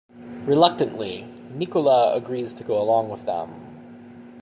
Reluctantly, Nicola agrees to go along with them.